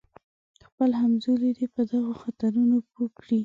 خپل همزولي دې په دغو خطرونو پوه کړي.